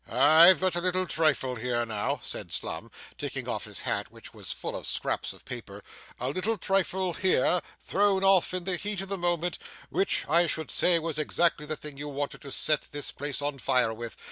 'I've got a little trifle here, now,' said Mr Slum, taking off his hat which was full of scraps of paper, 'a little trifle here, thrown off in the heat of the moment, which I should say was exactly the thing you wanted to set this place on fire with.